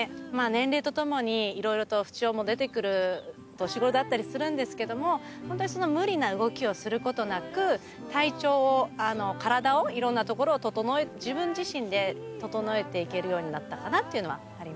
年齢とともに色々と不調も出てくる年頃だったりするんですけども無理な動きをすることなく体をいろんなところを自分自身で整えていけるようになったかなっていうのはあります。